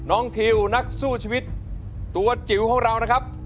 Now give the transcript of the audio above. ทิวนักสู้ชีวิตตัวจิ๋วของเรานะครับ